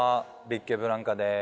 ビッケブランカです。